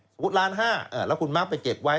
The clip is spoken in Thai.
สมมุติล้านห้าแล้วคุณมาร์คไปเก็บไว้